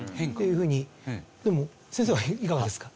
でも先生はいかがですか？